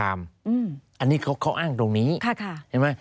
อันนี้เขาอ้างตรงนี้เห็นไหม